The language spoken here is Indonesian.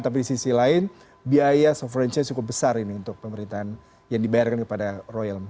tapi di sisi lain biaya suku besar ini untuk pemerintahan yang dibayarkan kepada royal